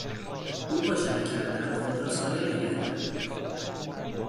او با شنا کردن خود را سالم نگه میدارد.